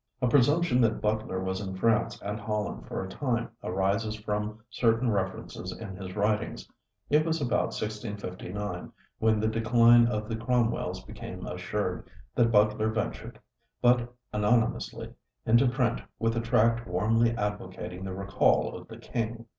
A presumption that Butler was in France and Holland for a time arises from certain references in his writings. It was about 1659, when the decline of the Cromwells became assured, that Butler ventured, but anonymously, into print with a tract warmly advocating the recall of the King.